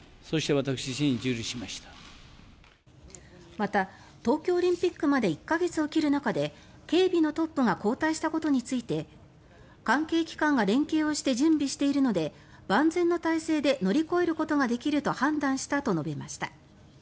また、東京オリンピックまで１か月を切る中で警備のトップが交代したことについて関係機関が連携をして準備しているので万全な体制で乗り越えることができると判断したと述べました。